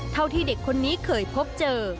เท่าที่เด็กคนนี้เคยพบเจอ